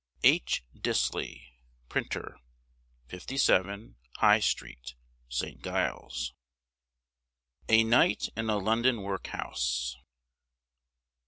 H. Disley, Printer, 57, High Street, St. Giles. A NIGHT IN A LONDON WORKHOUSE.